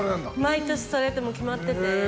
毎年それって決まってて。